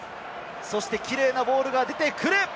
そしてキレイなボールが出てくる！